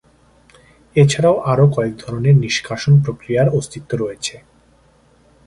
এছাড়াও আরও কয়েক ধরনের নিষ্কাশন প্রক্রিয়ার অস্তিত্ব রয়েছে।